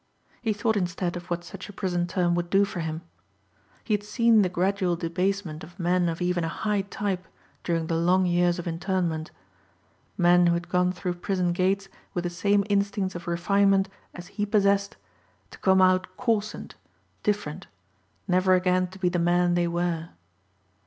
He thought instead of what such a prison term would do for him. He had seen the gradual debasement of men of even a high type during the long years of internment. Men who had gone through prison gates with the same instincts of refinement as he possessed to come out coarsened, different, never again to be the men they were.